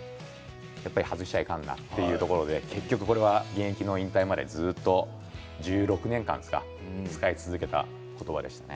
でもやっぱり外しちゃいかんなというところでこれが現役を引退までずっと１６年間使い続けた言葉でしたね。